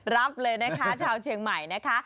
รับเลยนะคะชาวเชียงใหม่นะคะ